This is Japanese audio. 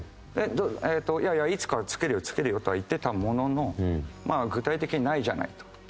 「いやいやいつかはつけるよつけるよ」とは言ってたものの「具体的にないじゃない」と。